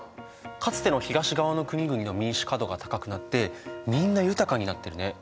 かつての東側の国々の民主化度が高くなってみんな豊かになってるね。